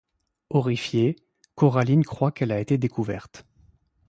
Horrifiée, Coraline croit qu'elle a été découverte.